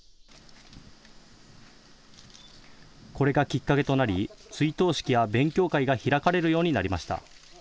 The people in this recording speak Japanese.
これがきっかけとなり追悼式や勉強会が開かれるようになりました。